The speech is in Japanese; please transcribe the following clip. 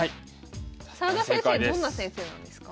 澤田先生どんな先生なんですか？